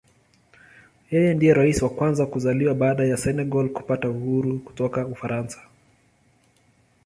Yeye ndiye Rais wa kwanza kuzaliwa baada ya Senegal kupata uhuru kutoka Ufaransa.